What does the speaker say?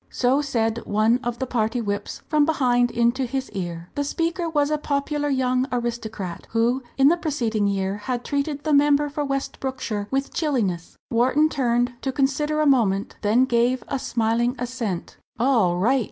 So said one of the party whips, from behind into his ear. The speaker was a popular young aristocrat who in the preceding year had treated the member for West Brookshire with chilliness. Wharton turned to consider a moment then gave a smiling assent. "All right!"